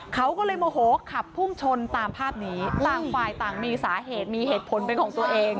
เขาก็เลยโมโหขับพุ่งชนตามภาพนี้ต่างฝ่ายต่างมีสาเหตุมีเหตุผลเป็นของตัวเอง